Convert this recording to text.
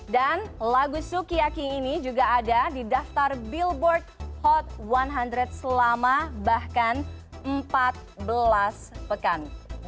lagu sukiyaki ini juga ada di daftar billboard hot seratus selama bahkan empat belas pekan